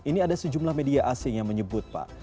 ini ada sejumlah media asing yang menyebut pak